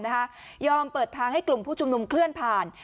ยอมเปิดทางให้กลุ่มผู้ชุมนุมเคลื่อนผ่าน